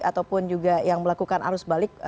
ataupun juga yang melakukan arus balik